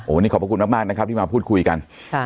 วันนี้ขอบพระคุณมากนะครับที่มาพูดคุยกัน